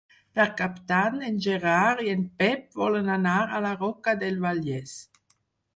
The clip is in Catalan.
Per Cap d'Any en Gerard i en Pep volen anar a la Roca del Vallès.